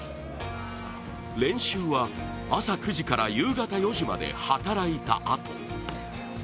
練習は朝９時から夕方４時まで働いたあと。